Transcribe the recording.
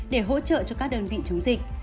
để hỗ trợ cho các đơn vị chống dịch